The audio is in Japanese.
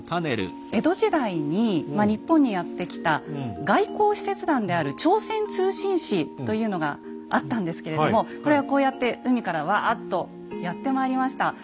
江戸時代に日本にやって来た外交使節団である「朝鮮通信使」というのがあったんですけれどもこれはこうやって海からワーッとやってまいりました。